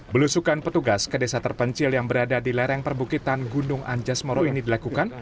belusukan petugas ke desa terpencil yang berada di lereng perbukitan gunung anjas moro ini dilakukan